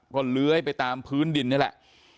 ก็เลื้อยไปตามพื้นดินนี่แหละ